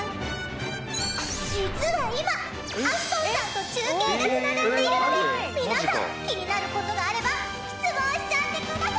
実は今アシュトンさんと中継が繋がっているので皆さん気になる事があれば質問しちゃってくださーい！